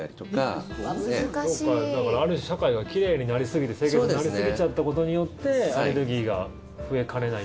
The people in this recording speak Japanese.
ある種社会が奇麗になりすぎて清潔になりすぎちゃったことによってアレルギーが増えかねない。